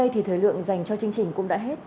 thì thời lượng dành cho chương trình cũng đã hết